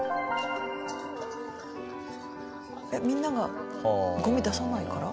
えっみんながゴミ出さないから？